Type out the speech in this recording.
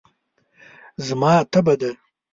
زما تبه ده.